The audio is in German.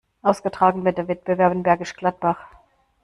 Ausgetragen wird der Wettbewerb in Bergisch Gladbach.